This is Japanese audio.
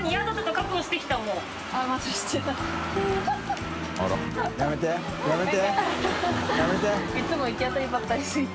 複腺松原）いつも行き当たりばったりすぎて。